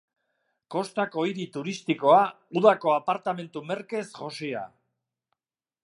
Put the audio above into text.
Kostako hiri turistikoa, udako apartamentu merkez josia.